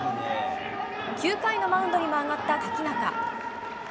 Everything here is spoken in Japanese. ９回のマウンドにも上がった瀧中。